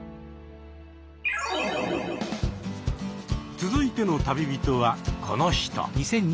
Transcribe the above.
続いての旅人はこの人。